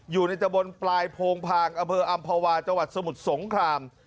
อยู่ในตะบนปลายโพงพางอำเภออำภาวาจังหวัดสมุทรสงคราม